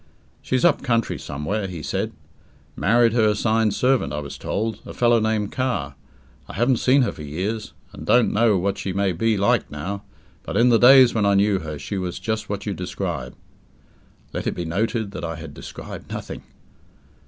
"She's up country somewhere," he said. "Married her assigned servant, I was told, a fellow named Carr. I haven't seen her for years, and don't know what she may be like now, but in the days when I knew her she was just what you describe." (Let it be noted that I had described nothing.)